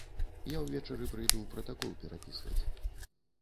Я ўвечары прыйду пратакол перапісваць.